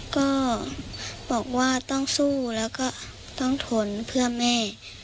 ก็บอกว่าต้องสู้แล้วก็ต้องทนเพื่อแม่